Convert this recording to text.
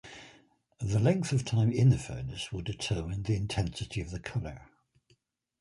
The length of time in the furnace will determine the intensity of the color.